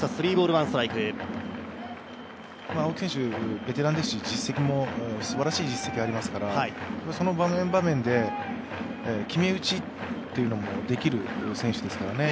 青木選手、ベテラン選手ですし、すばらしい実績もありますから、その場面場面で決め打ちというのもできる選手ですからね。